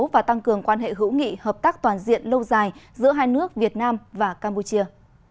và tăng cường quan hệ hữu nghị hợp tác toàn diện lâu dài giữa hai nước việt nam và campuchia